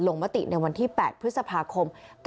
หลงมติในวันที่๘พฤษภาคม